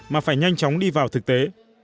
mà phải nhanh chóng đi vào thực tế